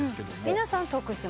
皆さん徳島？